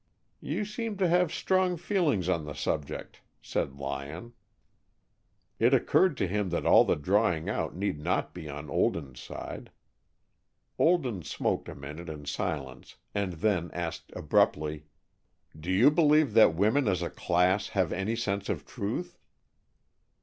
"You seem to have strong feelings on the subject," said Lyon. It occurred to him that all the drawing out need not be on Olden's side. Olden smoked a minute in silence, and then asked abruptly, "Do you believe that women as a class have any sense of truth?"